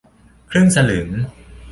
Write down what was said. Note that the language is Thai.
ครึ่งสลึง